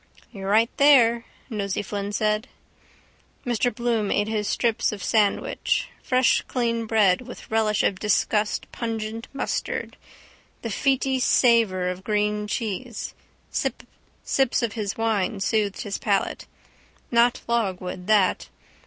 —You're right there, Nosey Flynn said. Mr Bloom ate his strips of sandwich, fresh clean bread, with relish of disgust pungent mustard, the feety savour of green cheese. Sips of his wine soothed his palate. Not logwood that.